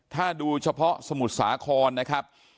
ถ้าดูเฉพาะสมุทรสาครนะครับ